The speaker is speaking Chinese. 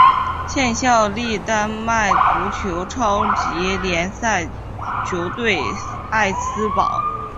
现效力丹麦足球超级联赛球队艾斯堡。